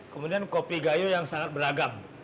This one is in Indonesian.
kemudian kopi gayo yang sangat beragam